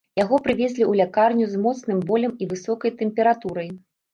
Яго прывезлі ў лякарню з моцным болем і высокай тэмпературай.